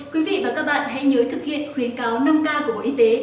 quý vị và các bạn hãy nhớ thực hiện khuyến cáo năm k của bộ y tế